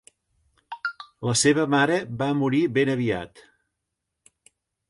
La seva mare va morir ben aviat.